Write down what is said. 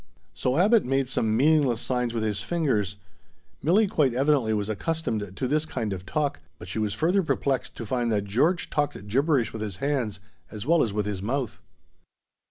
So Abbot made some meaningless signs with his fingers. Milli quite evidently was accustomed to this kind of talk, but she was further perplexed to find that George talked gibberish with his hands as well as with his mouth.